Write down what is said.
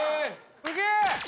すげえ！